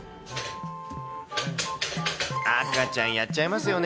赤ちゃん、やっちゃいますよね。